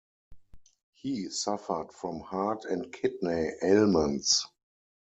He suffered from heart and kidney ailments.